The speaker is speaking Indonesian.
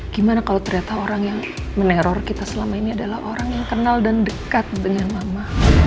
gimana kalau ternyata orang yang meneror kita selama ini adalah orang yang kenal dan dekat dengan mama